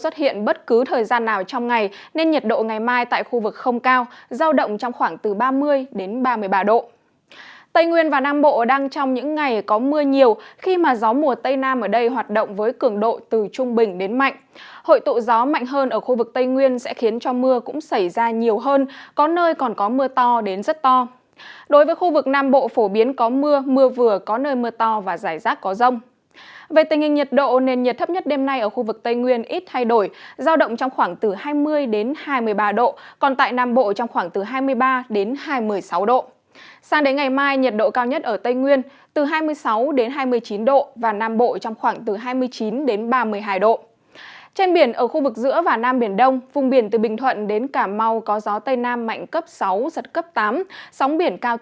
trên biển ở khu vực giữa và nam biển đông vùng biển từ bình thuận đến cà mau có gió tây nam mạnh cấp sáu giật cấp tám sóng biển cao từ hai đến bốn mét khiến biển động